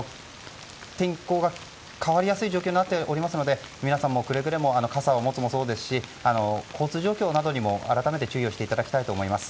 天候が変わりやすい状況になっておりますので皆さんもくれぐれも傘を持つのもそうですし交通状況などにも改めて注意をしていただきたいと思います。